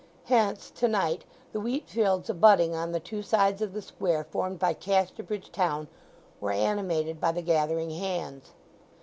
Hence to night the wheat fields abutting on the two sides of the square formed by Casterbridge town were animated by the gathering hands.